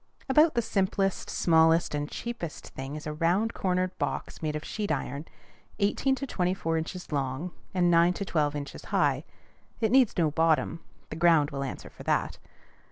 About the simplest, smallest, and cheapest thing is a round cornered box made of sheet iron, eighteen to twenty four inches long and nine to twelve inches high. It needs no bottom: the ground will answer for that.